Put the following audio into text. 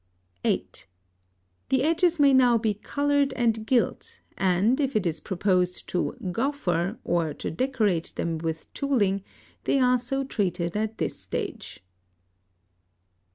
(8) The edges may now be coloured and gilt, and if it is proposed to "gauffer" or to decorate them with tooling, they are so treated at this stage.